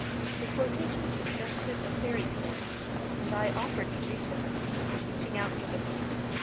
The quotation suggested a fairy story, and I offered to read to her, reaching out for the book.